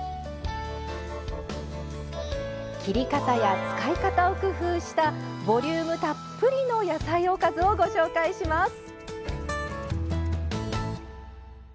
切り方や使い方を工夫したボリュームたっぷりの野菜おかずをご紹介します。